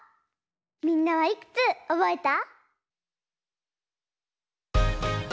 みんなはいくつおぼえた？